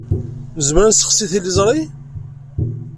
Nezmer ad nesseɣsi tiliẓri?